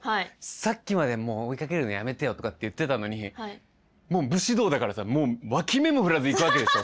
さっきまで「もう追いかけるのやめてよ」とかって言ってたのに武士道だからさもう脇目も振らず行くわけでしょ？